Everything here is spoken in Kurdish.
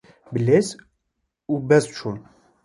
bi lez û bez çûm